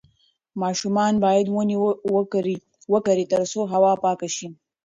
ماشومان باید ونې وکرې ترڅو هوا پاکه شي.